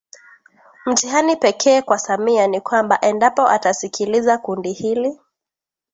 Mtihani pekee kwa Samia ni kwamba endapo atasikiliza kundi hili